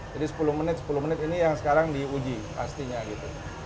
jadi sepuluh menit sepuluh menit ini yang sekarang diuji pastinya gitu